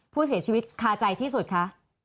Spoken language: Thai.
ผู้เสียชีวิตคาใจที่สุดคะ